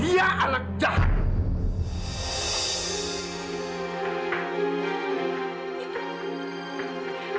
dia anak jahat